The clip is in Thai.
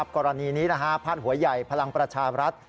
กรณีนี้พาดหัวใหญ่พลังประชาบรัฐ